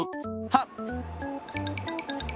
はっ！